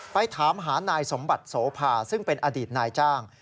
ไปถามหานายสมบัติโสภาซึ่งเป็นอดีตนายจ้าง